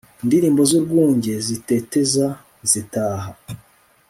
indilimbo z'urwunge, ziteteza zitaha